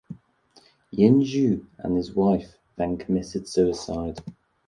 Yin Jiu and his wife then committed suicide.